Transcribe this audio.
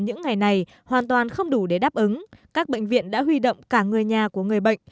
những ngày này hoàn toàn không đủ để đáp ứng các bệnh viện đã huy động cả người nhà của người bệnh